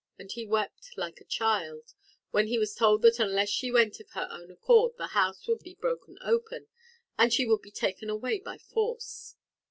And he wept like a child, when he was told that unless she went of her own accord, the house would be broken open, and she would be taken away by force.